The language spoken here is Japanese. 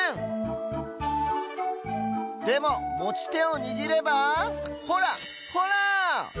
でももちてをにぎればほらほら！